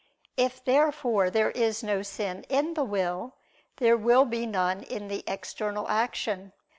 If therefore there is no sin in the will, there will be none in the external action.